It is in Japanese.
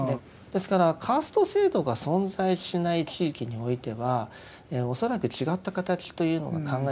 ですからカースト制度が存在しない地域においては恐らく違った形というのが考えられるのではないかと。